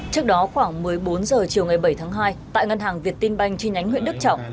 trước đó khoảng một mươi bốn giờ chiều ngày bảy tháng hai tại ngân hàng việt tinh banh trên nhánh huyện đức trọng